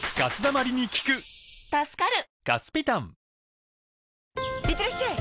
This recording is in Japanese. あぁいってらっしゃい！